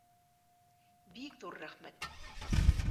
— Бик ҙур рәхмәт!